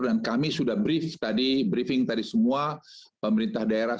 dan kami sudah briefing tadi semua pemerintah daerah